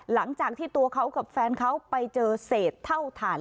หลังจากที่ตัวเขากับแฟนเขาไปเจอเศษเท่าฐาน